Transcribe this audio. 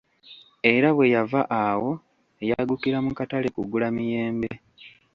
Era bwe yava awo yaggukira mu katale kugula miyembe!